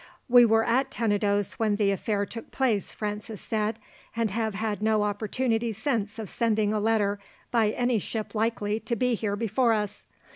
"We were at Tenedos when the affair took place," Francis said, "and have had no opportunity since of sending a letter by any ship likely to be here before us.